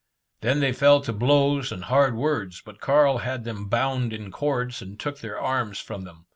They then fell to blows and hard words, but Carl had them bound in cords, and took their arms from them.